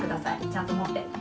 ちゃんともって。